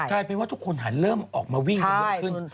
ใช่ไม่ว่าทุกคนหาเริ่มออกมาวิ่งขึ้น